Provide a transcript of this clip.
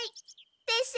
でしょ！